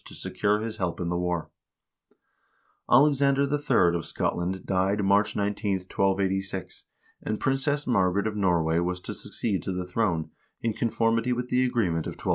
to secure his help in the war. Alexander III. of Scotland died March 19, 1286, and Princess Margaret of Norway was to suc ceed to the throne, in conformity with the agreement of 1284.